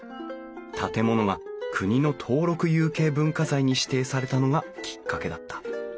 建物が国の登録有形文化財に指定されたのがきっかけだった。